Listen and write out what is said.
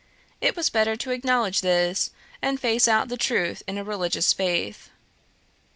It was better to acknowledge this, and face out the truth in a religious faith.